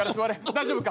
大丈夫か？